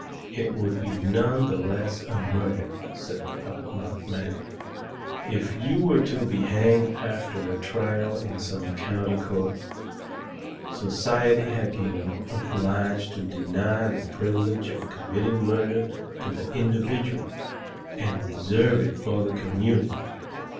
"It would be none the less a murder," said the pock marked man, "if you were to be hanged after a trial in some county court. Society had been obliged to deny the privilege of committing murder to the individual and reserve it for the community.